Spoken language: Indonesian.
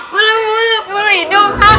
bulu bulu purwido kak